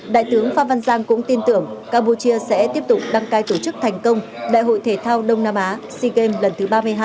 đại tướng phan văn giang cũng tin tưởng campuchia sẽ tiếp tục đăng cai tổ chức thành công đại hội thể thao đông nam á sea games lần thứ ba mươi hai